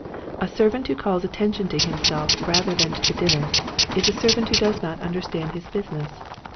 A servant who calls attention to himself rather than to the dinner is a servant who does not Starts Good and Bad. 35 understand his business.